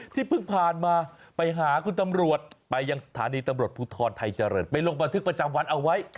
ที่ผ่านมาไปหาคุณตำรวจไปยังสถานีตำรวจภูทรไทยเจริญไปลงบันทึกประจำวันเอาไว้